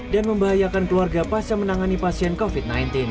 dan membahayakan keluarga pasca menangani pasien covid sembilan belas